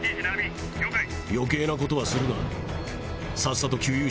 余計なことはするな。